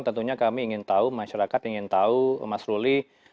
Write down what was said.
tentunya kami ingin tahu masyarakat ingin tahu mas ruli